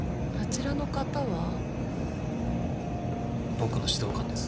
僕の指導官です。